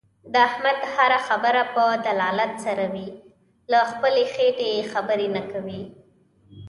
د احمد هر خبره په دلالت سره وي. له خپلې خېټې خبرې نه کوي.